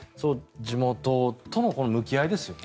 地元との向き合いですよね。